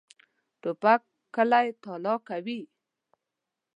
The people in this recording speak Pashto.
توپک کلی تالا کوي.